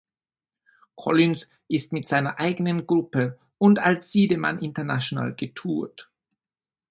Collins ist mit seiner eigenen Gruppe und als Sideman international getourt.